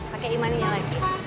pake imannya lagi